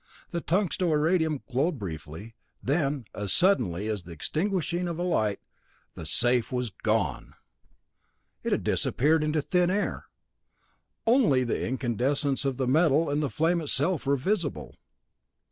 The tungsto iridium glowed briefly; then, as suddenly as the extinguishing of a light, the safe was gone! It had disappeared into thin air! Only the incandescence of the metal and the flame itself were visible.